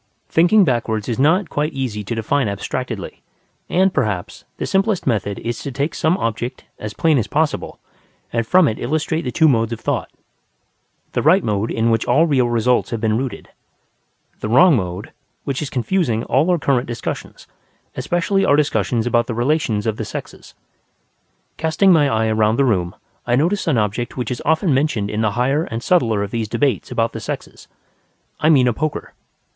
Thinking backwards is not quite easy to define abstractedly; and, perhaps, the simplest method is to take some object, as plain as possible, and from it illustrate the two modes of thought: the right mode in which all real results have been rooted; the wrong mode, which is confusing all our current discussions, especially our discussions about the relations of the sexes. Casting my eye round the room, I notice an object which is often mentioned in the higher and subtler of these debates about the sexes: I mean a poker.